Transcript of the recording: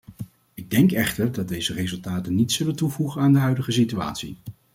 Ik denk echter dat deze resultaten niets zullen toevoegen aan de huidige situatie.